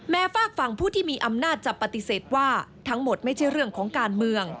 ฝากฝั่งผู้ที่มีอำนาจจะปฏิเสธว่าทั้งหมดไม่ใช่เรื่องของการเมือง